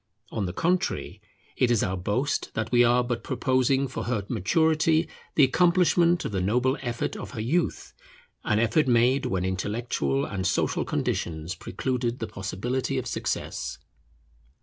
On the contrary, it is our boast that we are but proposing for her maturity the accomplishment of the noble effort of her youth, an effort made when intellectual and social conditions precluded the possibility of success.